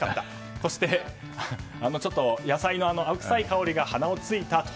そして、野菜の青臭い香りが鼻をついたと。